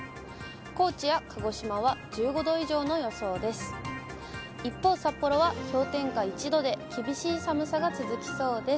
高知や鹿児島は１５度以上の予想です。